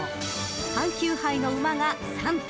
［阪急杯の馬が３頭］